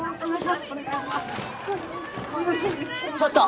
ちょっと！